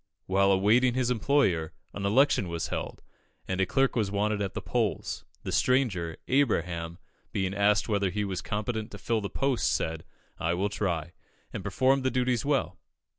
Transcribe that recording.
While awaiting his employer, an election was held, and a clerk was wanted at the polls. The stranger, Abraham, being asked whether he was competent to fill the post, said, "I will try," and performed the duties well.